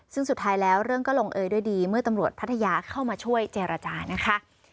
ซึ่งสุดท้ายแล้วเรื่องก็ลงเอยด้วยดีเมื่อตำรวจพัทยาเข้ามาช่วยเจรจานะคะ